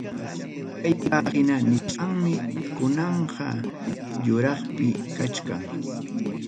Kay página nisqam kunanqa yuraqpi kachkan.